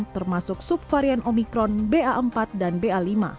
termasuk subvarian omikron ba empat dan ba lima